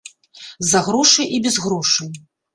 За грошы і без грошай.